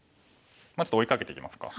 ちょっと追いかけていきますか。